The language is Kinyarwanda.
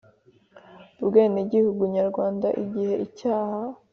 Ubwenegihugu nyarwanda igihe icyaha